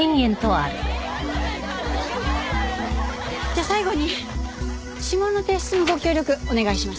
じゃあ最後に指紋の提出にご協力お願いします。